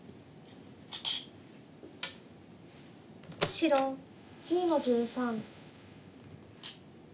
白１０の十三。